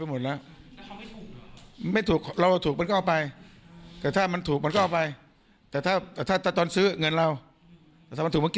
มีอะไรเอาไปหมดแล้วไม่ถูกเหรอ